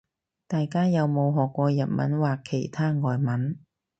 大家有冇學過日文或其他外文